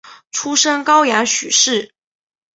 出身高阳许氏。